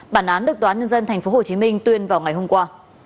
bản án được toán nhân dân tp hcm tuyên vào ngày hôm qua